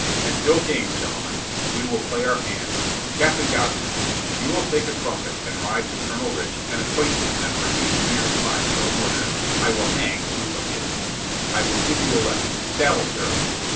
"An ill game, gentlemen. We will play our hand. Cap tain Godfrey ! You will take a trumpet and ride to Colonel Rich and acquaint him that for each man of mine so murdered, I will hang two of his. I will give you a letter. Saddle, sir.